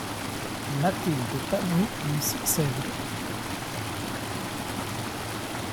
Mathilde Panot lui succède.